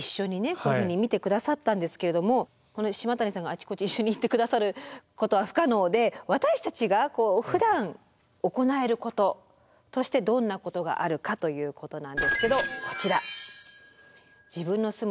こういうふうに見て下さったんですけれども島谷さんがあちこち一緒に行って下さることは不可能で私たちがふだん行えることとしてどんなことがあるかということなんですけどこちら。